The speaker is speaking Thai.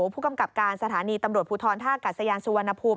ผู้กำกับการสถานีตำรวจภูทรท่ากัศยานสุวรรณภูมิ